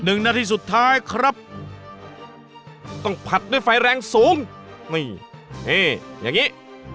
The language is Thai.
หนึ่งนาทีสุดท้ายครับต้องผัดด้วยไฟแรงสูงนี่นี่อย่างงี้